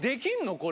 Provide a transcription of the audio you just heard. これ。